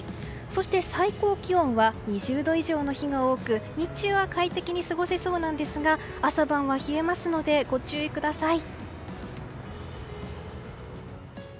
そして、最高気温は２０度以上の日が多く日中は快適に過ごせそうなんですが朝晩は冷えますのでご注意ください。